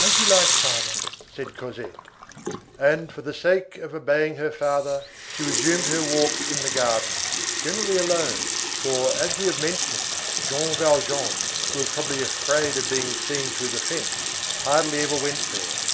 "As you like, father," said Cosette. And for the sake of obeying her father, she resumed her walks in the garden, generally alone, for, as we have mentioned, Jean Valjean, who was probably afraid of being seen through the fence, hardly ever went there.